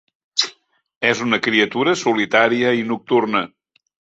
És una criatura solitària i nocturna.